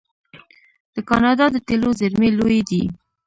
د کاناډا د تیلو زیرمې لویې دي.